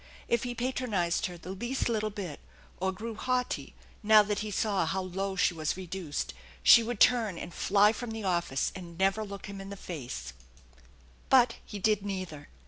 If he patronized her the least little bit, or grew haughty, now that he saw how low she was reduced, she would turn and fly from the office and never look him in the face. THE ENCHANTED BARN 31 But he did neither.